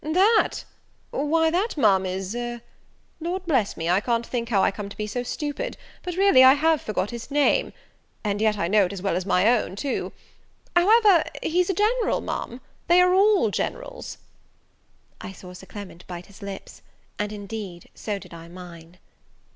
"That! why, that, Ma'am, is, Lord bless me, I can't think how I come to be so stupid, but really I have forgot his name; and yet, I know it as well as my own too: however, he's a General, Ma'am, they are all Generals." I saw Sir Clement bite his lips; and, indeed, so did I mine.